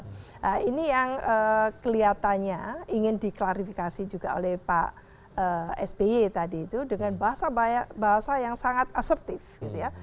nah ini yang kelihatannya ingin diklarifikasi juga oleh pak sby tadi itu dengan bahasa bahasa yang sangat asertif gitu ya